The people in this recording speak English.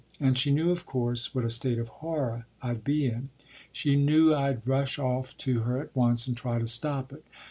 And she knew, of course, what a state of horror I’d be in. She knew I’d rush off to her at once and try to stop it.